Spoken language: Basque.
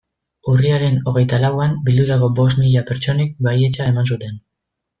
Urriaren hogeita lauan bildutako bost mila pertsonek baietza eman zuten.